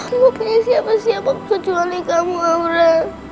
namanya siapa siapa kecuali kamu aura